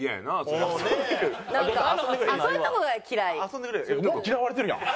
もう嫌われてるやん。